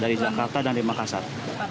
dari jakarta dan dari makassar